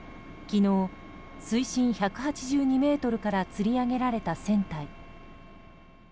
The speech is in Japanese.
昨日、水深１８２ｍからつり上げられた船体。